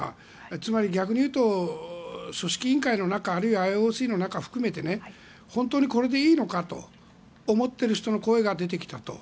つまり逆に言うと組織委員会の中あるいはＩＯＣの中を含めて本当にこれでいいのかと思っている人の声が出てきたと。